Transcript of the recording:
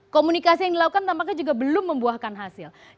komunikasi yang dilakukan tampaknya juga belum membuat keseluruhan